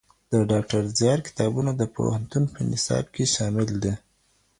د ډاکټر زیار کتابونه د پوهنتون په نصاب کي شامل دي.